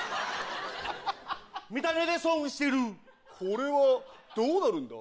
見た目で損してるこれはどうなるんだ？